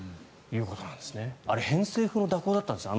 あれ偏西風の蛇行だったんですね。